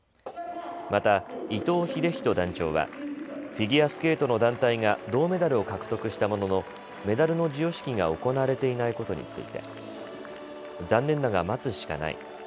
また、伊東秀仁団長は、フィギュアスケートの団体が銅メダルを獲得したもののメダルの授与式が行われていないことについて残念だが待つしかない。